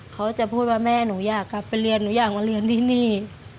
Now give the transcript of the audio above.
เขาจะพูดว่าแม่หนูอยากกลับไปเรียนหนูอยากมาเรียนที่นี่